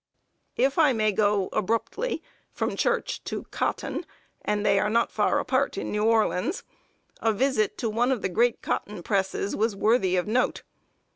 ] If I may go abruptly from church to cotton and they were not far apart in New Orleans a visit to one of the great cotton presses was worthy of note.